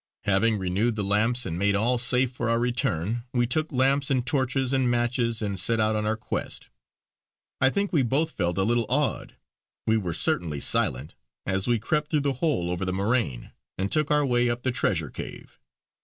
Having renewed the lamps and made all safe for our return, we took lamps and torches and matches and set out on our quest. I think we both felt a little awed we were certainly silent as we crept through the hole over the moraine and took our way up the treasure cave.